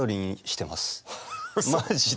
マジで。